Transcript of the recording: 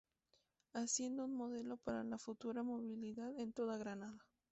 haciendo un modelo para la futura movilidad en toda Granada